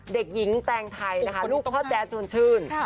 เด็กหญิงแตงไทยนะคะลูกก็พ่อแจ๊ดชวนชื่น